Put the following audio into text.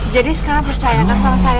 jadi sekarang percaya kan sama saya